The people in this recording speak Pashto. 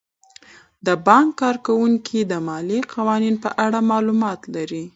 د بانک کارکوونکي د مالي قوانینو په اړه معلومات لري.